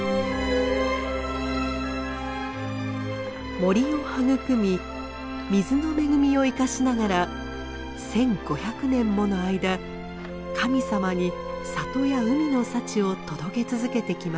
森を育み水の恵みを生かしながら１，５００年もの間神様に里や海の幸を届け続けてきました。